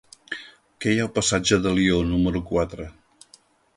Què hi ha al passatge d'Alió número quatre?